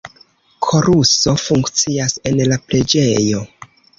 Koruso funkcias en la preĝejo.